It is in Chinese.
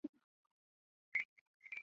是四川省凉山彝族自治州首府所在地。